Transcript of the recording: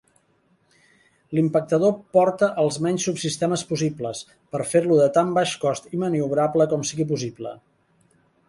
L'impactador porta els menys subsistemes possibles, per fer-lo de tan baix cost i maniobrable com sigui possible.